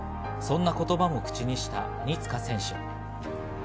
そんな言葉も口にした鬼塚選手。